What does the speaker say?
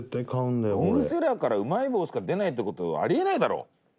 ロングセラーからうまい棒しか出ないって事あり得ないだろ！